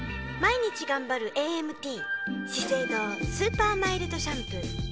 毎日頑張るＡＭＴ資生堂スーパーマイルドシャンプー。